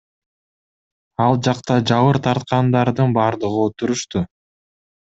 Ал жакта жабыр тарткандардын бардыгы отурушту.